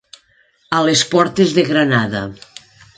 A les portes de Granada.